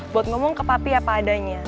buat ngomong ke papi apa adanya